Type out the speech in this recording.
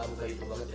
buka itu banget ya